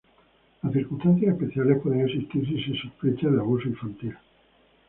Las Circunstancias especiales pueden existir si se sospecha de abuso infantil.